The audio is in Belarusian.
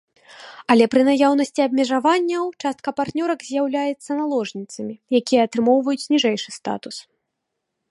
Але пры наяўнасці абмежаванняў частка партнёрак з'яўляецца наложніцамі, якія атрымоўваюць ніжэйшы статус.